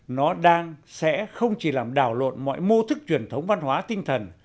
nó đang sẽ không chỉ làm đảo lộn mọi mô thức truyền thống văn hóa tinh thần